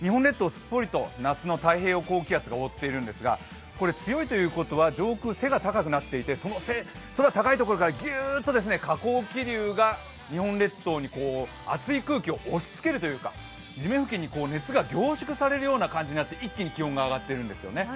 すっぽりと夏の太平洋高気圧が覆っているんですが、強いということは、上空、背が高くなっていて、空の高いところからギューッとか高気圧が日本列島に熱い空気を押しつけるというか、日本付近に熱が凝縮されるような状態になっているんですね。